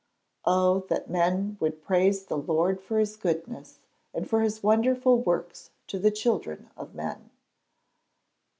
[Verse: "Oh that men would praise the Lord for his goodness, and for his wonderful works to the children of men."